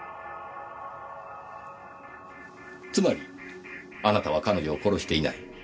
つまりあなたは彼女を殺していない。